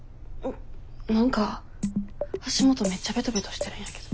何か足元めっちゃベトベトしてるんやけど。